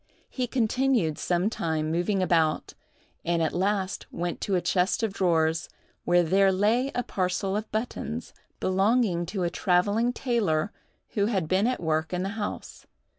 He continued some time moving about, and at last went to a chest of drawers, where there lay a parcel of buttons, belonging to a travelling tailor who had been at work in the house.